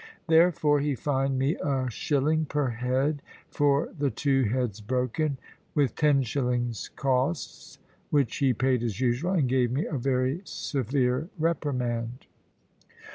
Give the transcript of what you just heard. Therefore he fined me a shilling per head for the two heads broken, with 10s. costs (which he paid, as usual), and gave me a very severe reprimand.